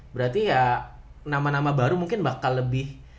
berarti ya nama nama baru mungkin bakal lebih